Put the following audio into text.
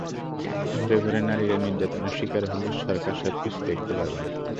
ঘরে ঘরে নারীরা নির্যাতনের শিকার হলে সরকার সবকিছু দেখতে পারবে না।